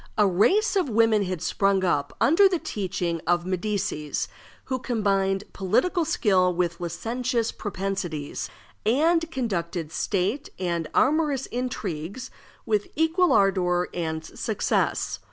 A race of women had sprung up, under the teaching of the Medicis, who combined political skill with licentious propensities, and conducted state and amorous intrigues with equal ardor and success.